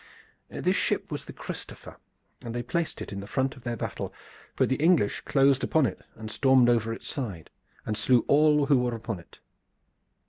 "This ship was the Christopher, and they placed it in the front of their battle; but the English closed upon it and stormed over its side, and slew all who were upon it.